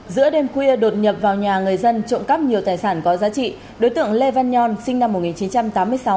giữa đêm khuya đột nhập vào nhà người dân trộm cắp nhiều tài sản có giá trị đối tượng lê văn nhon sinh năm một nghìn chín trăm tám mươi sáu